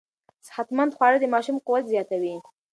صحتمند خواړه د ماشوم قوت زیاتوي.